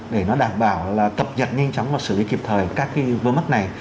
để nó đảm bảo là cập nhật nhanh chóng và xử lý kịp thời các vương mắc này